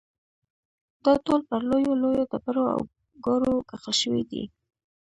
دا ټول پر لویو لویو ډبرو او ګارو کښل شوي دي.